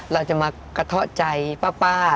เราจะมากระเทาะใจป้า